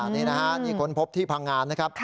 นี่นะฮะนี่ค้นพบที่พังงานนะครับ